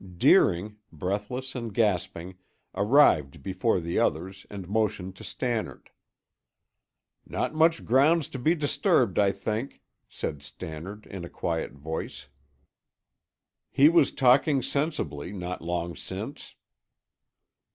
Deering, breathless and gasping, arrived before the others and motioned to Stannard. "Not much grounds to be disturbed, I think," said Stannard in a quiet voice. "He was talking sensibly not long since."